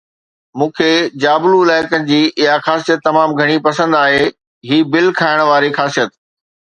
مون کي جابلو علائقن جي اها خاصيت تمام گهڻي پسند آهي، هي بل کائڻ واري خاصيت